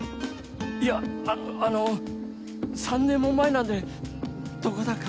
いやあの３年も前なんでどこだか。